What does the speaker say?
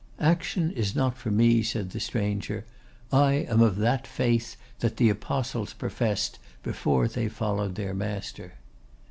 'Action is not for me,' said the stranger; 'I am of that faith that the Apostles professed before they followed their master.